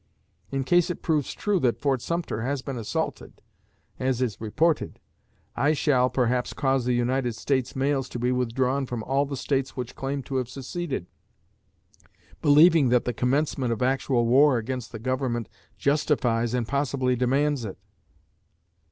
In case it proves true that Fort Sumter has been assaulted, as is reported, I shall, perhaps, cause the United States mails to be withdrawn from all the States which claim to have seceded, believing that the commencement of actual war against the Government justifies and possibly demands it.